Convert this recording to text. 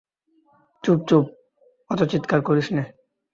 চুপ চুপ, অত চিৎকার করিস নে।